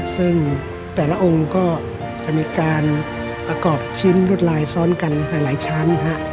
ซึ่งแต่ละองค์ก็จะมีการประกอบชิ้นรวดลายซ้อนกันหลายชั้น